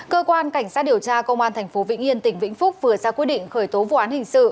cơ quan cảnh sát điều tra công an tp vĩnh yên tỉnh vĩnh phúc vừa ra quyết định khởi tố vụ án hình sự